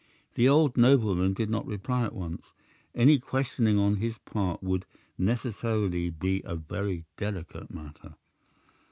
The old nobleman did not reply at once. Any questioning on his part would necessarily be a very delicate matter.